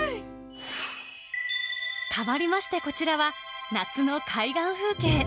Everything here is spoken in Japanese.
変わりましてこちらは、夏の海岸風景。